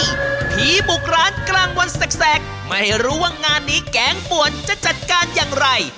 ผีบุกร้านกลางวันแสกไม่รู้ว่างานนี้แกงป่วนจะจัดการอย่างไร